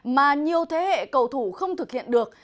mà nhiều thế hệ cầu thủ không thực hiện được